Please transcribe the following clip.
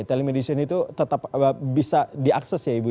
telemedicine itu tetap bisa diakses ya ibu ya